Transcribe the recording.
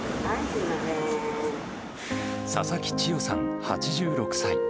佐々木チヨさん８６歳。